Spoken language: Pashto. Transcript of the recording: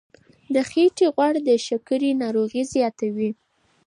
د خېټې غوړ د شکرې ناروغي زیاتوي.